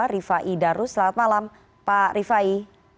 rifai darus selamat malam pak rifai